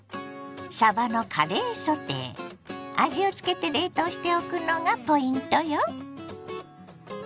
味をつけて冷凍しておくのがポイントよ。